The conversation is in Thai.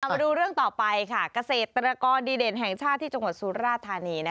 มาดูเรื่องต่อไปค่ะเกษตรกรดีเด่นแห่งชาติที่จังหวัดสุราธานี